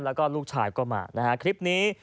แล้วก็ลูกชายก็มานะฮะคลิปนี้